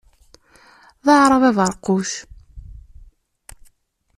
D aɛrab aberquc.